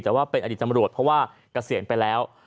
แต่ว่าเป็นอดีตตำรวจเพราะว่าเกษียณไปแล้ว